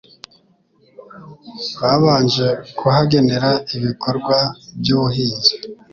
babanje kuhagenera ibikorwa by'ubuhinzi